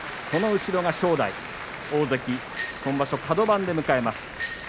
その後ろが正代大関、今場所カド番で迎えます。